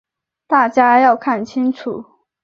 大家要看清楚。